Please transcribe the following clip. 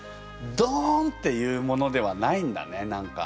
どんっていうものではないんだね何か。